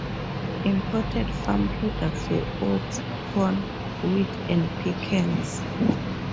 Important farm products were oats, corn, wheat and pecans.